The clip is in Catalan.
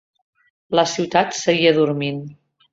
La ciutat seguia dormint.